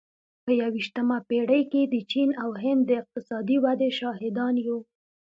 په یوویشتمه پېړۍ کې د چین او هند د اقتصادي ودې شاهدان یو.